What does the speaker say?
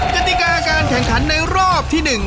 กติกาการแข่งขันในรอบที่๑